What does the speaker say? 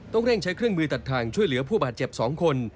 เร่งใช้เครื่องมือตัดทางช่วยเหลือผู้บาดเจ็บ๒คน